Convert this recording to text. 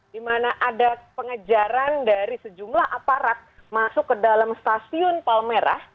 di mana ada pengejaran dari sejumlah aparat masuk ke dalam stasiun palmerah